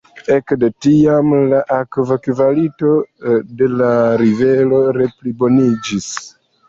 Ek de tiam la akvo-kvalito de la rivero re-pliboniĝis.